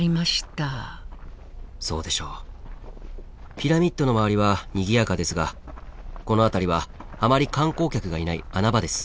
ピラミッドの周りはにぎやかですがこの辺りはあまり観光客がいない穴場です。